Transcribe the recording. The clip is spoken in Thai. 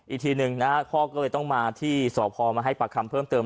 อีกทีหนึ่งนะพ่อก็เลยต้องมาที่สพมาให้ปากคำเพิ่มเติม